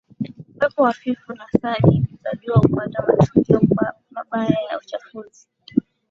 upepo hafifu na saa nyingi za jua hupata matukio mabaya ya uchafuzi